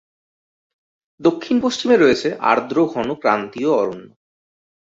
দক্ষিণ-পশ্চিমে রয়েছে আর্দ্র, ঘন ক্রান্তীয় অরণ্য।